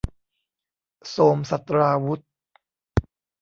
โทรมศัสตราวุธ